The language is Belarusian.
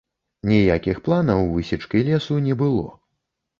Ніякіх планаў высечкі лесу не было.